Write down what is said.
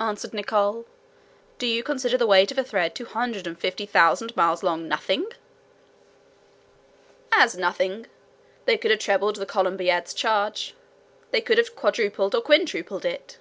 answered Nicholl. "Do you consider the weight of a thread 250,000 miles long nothing?" "As nothing. They could have trebled the Columbiad's charge; they could have quadrupled or quintupled it!"